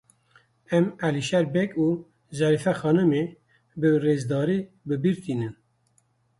Em Elîşêr Beg û Zerîfe Xanimê bi rêzdarî bi bîr tînin.